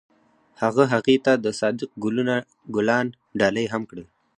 هغه هغې ته د صادق ګلونه ګلان ډالۍ هم کړل.